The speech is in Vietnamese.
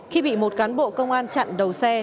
khi bị một cán bộ công an chặn đầu xe